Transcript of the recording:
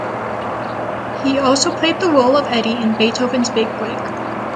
He also played the role of Eddie in "Beethoven's Big Break".